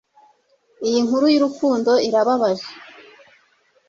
Iyi nkuru y'urukundo irababaje